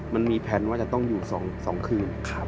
มันมีแพลนว่าจะต้องอยู่๒คืน